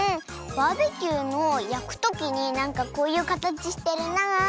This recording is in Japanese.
バーベキューのやくときになんかこういうかたちしてるなあって。